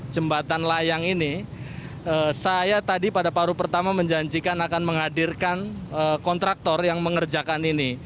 jembatan layang ini saya tadi pada paru pertama menjanjikan akan menghadirkan kontraktor yang mengerjakan ini